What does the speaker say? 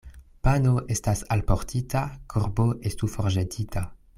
Pano estas alportita, korbo estu forĵetita.